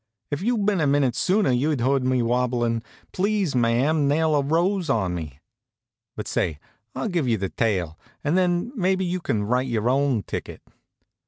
If you'd been a minute sooner you'd heard me wobblin' "Please, Ma ma, nail a rose on me." But say, I'll give you the tale, and then maybe you can write your own ticket.